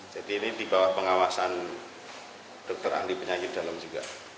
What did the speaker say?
jadi ini di bawah pengawasan dokter andi penyakit dalam juga